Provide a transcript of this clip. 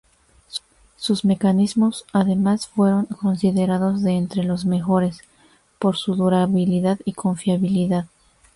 Sus mecanismos, además, fueron considerados de entre los mejores, por su durabilidad y confiabilidad.